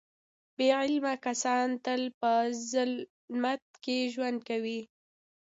بې علمه کسان تل په ظلمت کې ژوند کوي.